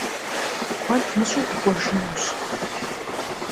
Kued mış'eu dık'uejjınuş.